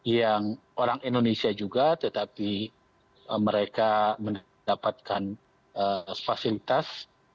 yang orang indonesia juga tetapi mereka mendapatkan fasilitas